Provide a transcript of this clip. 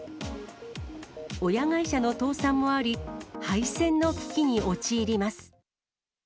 親会社の倒産もあり、廃線の危機に陥ります。